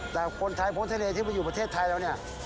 แต่คนไทยพ้นทะเลที่มาอยู่ประเทศไทยแล้วเนี่ย